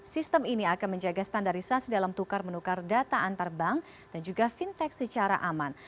sistem ini akan menjaga standarisasi dalam tukar menukar data antar bank dan juga fintech secara aman